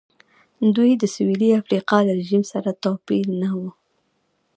دوی د سوېلي افریقا له رژیم سره دومره توپیر نه و.